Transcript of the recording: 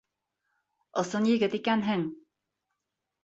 Ысын егет икәнһең.